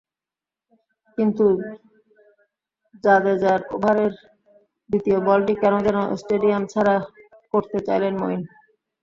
কিন্তু জাদেজার ওভারের দ্বিতীয় বলটি কেন যেন স্টেডিয়াম ছাড়া করতে চাইলেন মঈন।